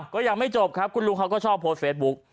ก็ยังไม่จบครับคุณลุงเขาก็ชอบโพสต์เฟซบุ๊ก